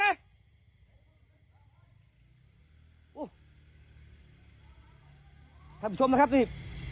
ท่านผู้ชมนะครับนี่